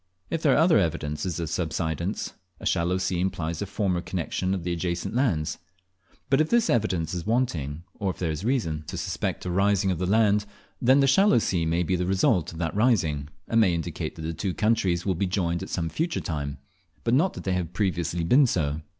If there are other evidences of subsidence, a shallow sea implies a former connexion of the adjacent lands; but if this evidence is wanting, or if there is reason to suspect a rising of the land, then the shallow sea may be the result of that rising, and may indicate that the two countries will be joined at some future time, but not that they have previously been so.